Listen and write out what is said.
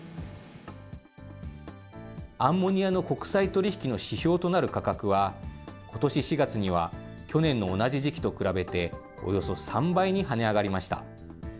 アンモニアの国際取り引きの指標となる価格は、ことし４月には去年の同じ時期と比べて、およそ３倍に跳ね上がりました。